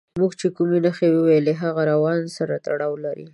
موږ چې کومې نښې وویلې هغه روان سره تړاو لري.